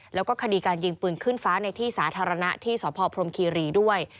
แล้วก็คดีการยิงปืนขึ้นฟ้าในที่สาธารณะที่สพพรมคีรีด้วย